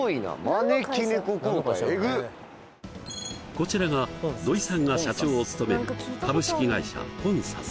こちらが土井さんが社長を務める主に早速